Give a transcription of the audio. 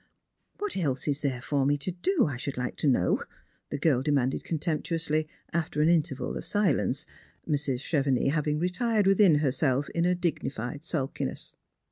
" What else is there for me to do, I should like to know," the girl demanded contemptuously, after an interval of silence, Mrs. Chevenix having retired within herself in a dignified sulkiness.